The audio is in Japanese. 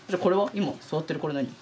今座ってるこれ何？